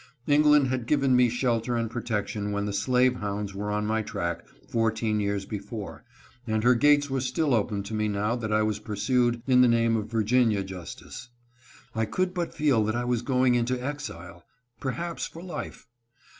England had given me shelter and protection when the slave hounds were on my track four teen years before, and her gates were still open to me now that I was pursued in the name of Virginia justice. I could but feel that I was going into exile, perhaps for life.